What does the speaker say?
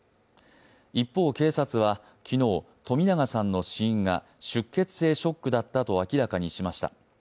一方、警察は冨永さんの死因が出血性ショックだったと明らかにしました。